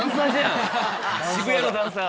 渋谷のダンサー。